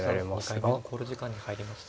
阿部七段２回目の考慮時間に入りました。